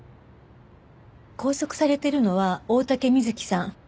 拘束されているのは大竹瑞希さん。